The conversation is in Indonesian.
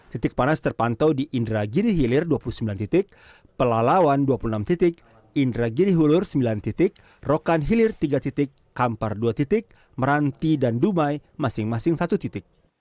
titik panas terpantau di indragiri hilir dua puluh sembilan titik pelalawan dua puluh enam titik indragiri hulur sembilan titik rokan hilir tiga titik kampar dua titik meranti dan dumai masing masing satu titik